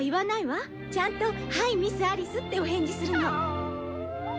「ちゃんと『はいミスアリス』ってお返事するの」